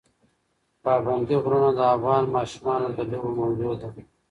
پابندی غرونه د افغان ماشومانو د لوبو موضوع ده.